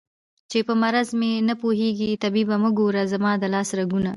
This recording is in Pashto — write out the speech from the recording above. چې په مرض مې نه پوهېږې طبيبه مه ګوره زما د لاس رګونه